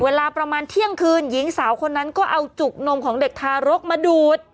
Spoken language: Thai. เวลาประมาณเที่ยงคืนหญิงสาวคนนั้นก็เอาจุกนมของเด็กทารกมาดูด